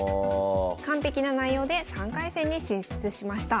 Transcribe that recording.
完璧な内容で３回戦に進出しました。